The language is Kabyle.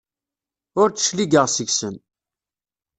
Ur d-cligeɣ seg-sen.